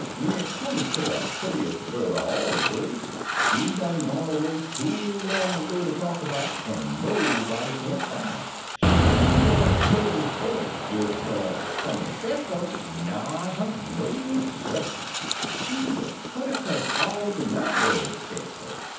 When it comes ter de purtiest bird er all de birds, she's done gone away too long agq ter talk about, an' nobody can't fin' her. She wa'n't de purtiest bird des kaze some un sesso; not her — no, suh ! She wuz purty kaze all de yuther birds sesso.